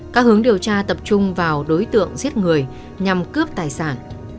các hướng điều tra tập trung vào đối tượng giết người nhằm cướp tài sản